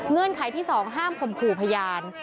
เงื่อนไขที่สองห้ามคมขู่พยาน